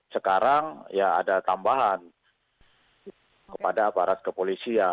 sekarang ya ada tambahan kepada aparat kepolisian